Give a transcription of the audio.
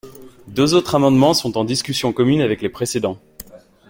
Deux autres amendements sont en discussion commune avec les précédents.